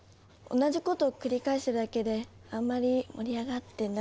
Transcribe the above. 同じこと繰り返してるだけであんまり盛り上がってないです。